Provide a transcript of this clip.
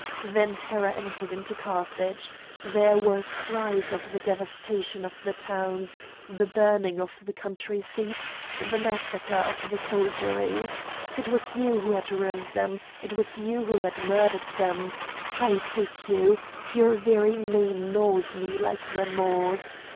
Then terror entered into Carthage. There were cries of the devastation of the towns, the burning of the country seats, the massacre of the soldiery; it was you who had ruined them, it was you who had murdered them! I hate you! Your very name gnaws me like remorse!